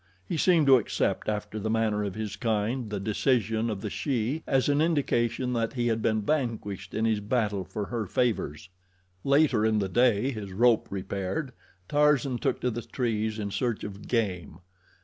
He seemed to accept after the manner of his kind the decision of the she as an indication that he had been vanquished in his battle for her favors. Later in the day, his rope repaired, Tarzan took to the trees in search of game.